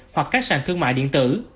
hoặc các sàn thương mại điện tử